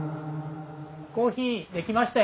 コーヒー出来ましたよ。